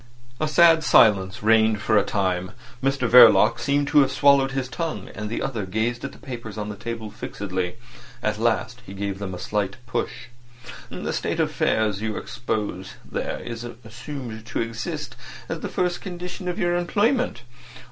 A sad silence reigned for a time. Mr Verloc seemed to have swallowed his tongue, and the other gazed at the papers on the table fixedly. At last he gave them a slight push. "The state of affairs you expose there is assumed to exist as the first condition of your employment.